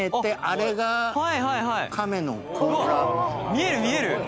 見える見える！